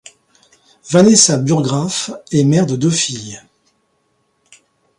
Vanessa Burggraf est mère de deux filles.